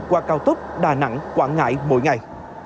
qua cao tốc đà nẵng quảng ngãi mỗi ngày